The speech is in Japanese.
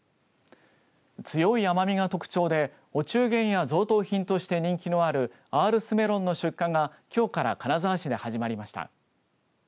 強い甘みが特徴でお中元や贈答品として人気のあるアールスメロンの出荷がきょうから金沢市で始まりました。